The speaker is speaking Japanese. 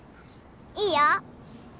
いいよ。